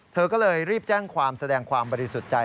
เธอก็เลยรีบแจ้งความแสดงความบริสุทธิ์ใจ